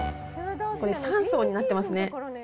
これ、３層になってますね。